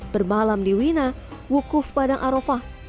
bermalam di wina wukuf padang arofah